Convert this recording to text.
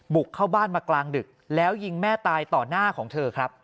บุกเข้าบ้านมากลางดึกแล้วยิงแม่ตายต่อหน้าของเธอครับ